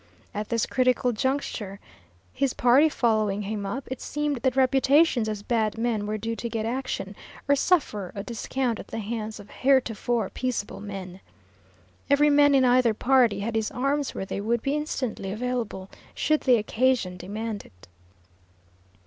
At this critical juncture, his party following him up, it seemed that reputations as bad men were due to get action, or suffer a discount at the hands of heretofore peaceable men. Every man in either party had his arms where they would be instantly available should the occasion demand it.